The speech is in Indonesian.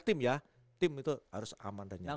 tim ya tim itu harus aman dan nyaman